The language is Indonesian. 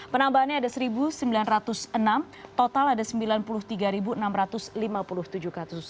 penambahannya ada satu sembilan ratus enam total ada sembilan puluh tiga enam ratus lima puluh tujuh kasus